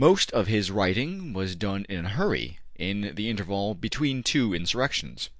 Most of his writing was done in a hurry in the interval between two insurrections.